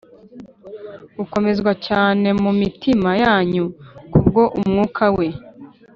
gukomezwa cyane mu mitima yanyu ku bwo Umwuka we;